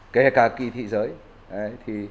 kể cả kỳ thị giới